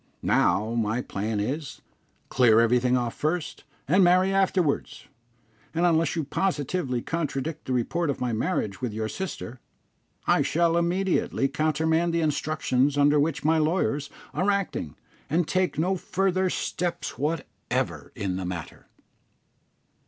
Now, my plan is, clear everything off first, and marry afterwards; and unless you positively contradict the report of my marriage with your sister, I shall immediately countermand the instructions under which my lawyers are acting, and take no further steps whatever in the matter."